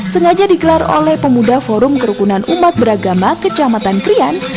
sengaja digelar oleh pemuda forum kerukunan umat beragama kecamatan krian